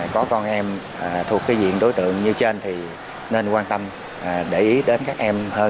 có con em thuộc cái diện đối tượng như trên thì nên quan tâm để ý đến các em hơn